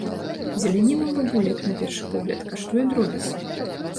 Зеляніна ў бабулек, на першы погляд, каштуе дробязь.